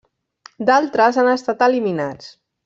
D'altres han estat eliminats.